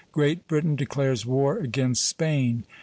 GREAT BRITAIN DECLARES WAR AGAINST SPAIN.